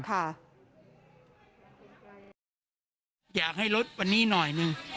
อยากให้ลดวันนี้หน่อยหนึ่ง